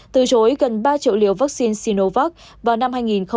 từ chối gần ba triệu liều vaccine sinovac vào năm hai nghìn hai mươi